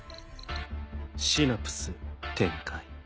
シナプス展開。